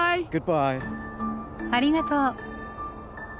ありがとう。